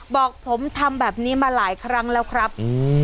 บอกผมทำแบบนี้มาหลายครั้งแล้วครับ